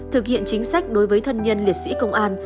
thực hiện chính sách đối với thân nhân liệt sĩ công an